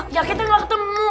ya kita gak ketemu